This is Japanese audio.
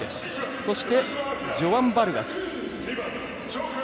そして、ジョアン・バルガス。